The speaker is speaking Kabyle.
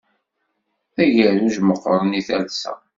D agerruj meqqren i talsa.